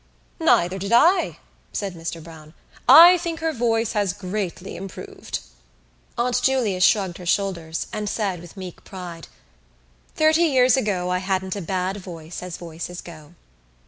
"Neither did I," said Mr Browne. "I think her voice has greatly improved." Aunt Julia shrugged her shoulders and said with meek pride: "Thirty years ago I hadn't a bad voice as voices go."